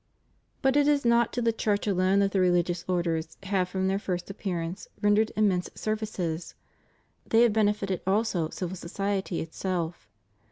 But it is not to the Church alone that the religious orders have from their first appearance rendered immense ser vices: they have benefited also civil society itself.